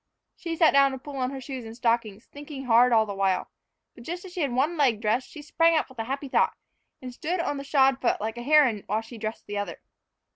She sat down to pull on her shoes and stockings, thinking hard all the while. But, just as she had one leg dressed, she sprang up with a happy thought, and stood on the shod foot like a heron while she dressed the other.